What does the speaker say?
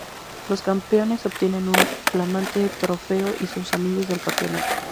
Los campeones obtienen un flamante trofeo y sus anillos del campeonato.